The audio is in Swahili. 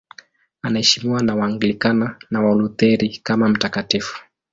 Anaheshimiwa na Waanglikana na Walutheri kama mtakatifu.